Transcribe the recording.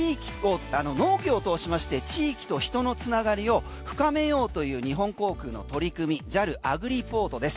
農業をしまして地域と人の繋がりを深めようという日本航空の取り組みＪＡＬＡｇｒｉｐｏｒｔです。